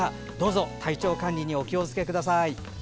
どうぞ体調管理にお気をつけください。